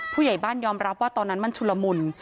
ผู้ใหญ่บ้านยอมรับว่าตอนนั้นมันชุลมุน